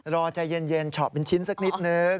รอใจเย็นเฉาะเป็นชิ้นสักนิดนึง